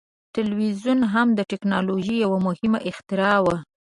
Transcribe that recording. ټلویزیون هم د ټیکنالوژۍ یو مهم اختراع وه.